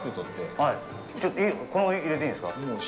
えっ、このまま入れていいんですか？